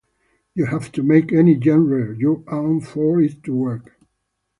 You have to make any genre your own for it to work.